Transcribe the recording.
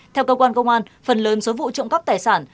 theo cơ quan công an phần lớn số vụ trộm cắp tài sản